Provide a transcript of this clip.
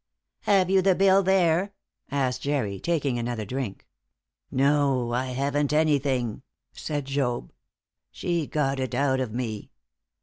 "Have you the bill there?" asked Jerry, taking another drink. "No; I haven't anything," said Job. "She got it out of me."